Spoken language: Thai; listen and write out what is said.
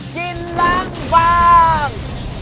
กินร้านวาง